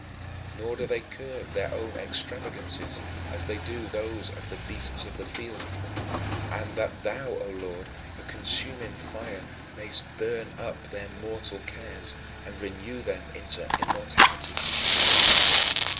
Nor do they curb their own extravagances as they do those of "the beasts of the field," so that thou, O Lord, "a consuming fire," mayest burn up their mortal cares and renew them unto immortality.